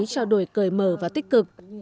trao đổi cởi mở và tích cực